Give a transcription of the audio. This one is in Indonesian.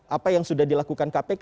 apa yang sudah dilakukan kpk